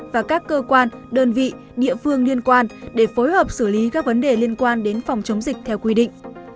và các cơ quan đơn vị địa phương liên quan để phối hợp xử lý các vấn đề liên quan đến phòng chống dịch theo quy định